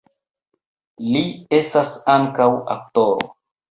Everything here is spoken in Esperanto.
Li estas ankaŭ aktoro.